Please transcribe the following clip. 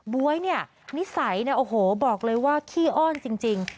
บ๊วยนิสัยบอกเลยว่าขี้อ้อนจริง